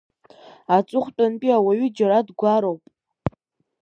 Аҵыхәтәантәи ауаҩы џьара дгәароуп…